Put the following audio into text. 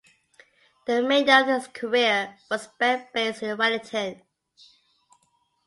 The remainder of his career was spent based in Wellington.